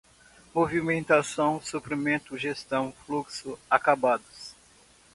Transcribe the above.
movimentação, suprimento, gestão, fluxo, acabados